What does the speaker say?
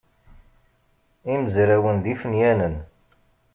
Imezrawen d ifenyanen.